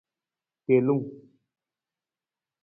Telung.